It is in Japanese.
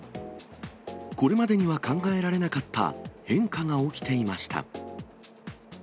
これまでには考えられなかった、変化が起きていました。